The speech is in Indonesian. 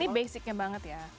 ini basicnya banget ya